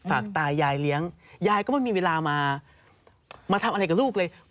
ตายายเลี้ยงยายก็ไม่มีเวลามาทำอะไรกับลูกเลย